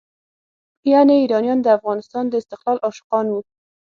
یعنې ایرانیان د افغانستان د استقلال عاشقان وو.